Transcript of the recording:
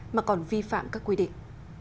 mà còn vi phạm các quy định